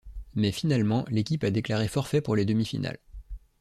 Mais finalement, l'équipe a déclaré forfait pour les demi-finales.